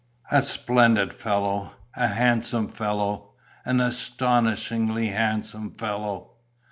"A splendid fellow! A handsome fellow! An astonishingly handsome fellow!...